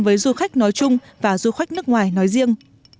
với du khách nói chung và du khách nước ngoài nói riêng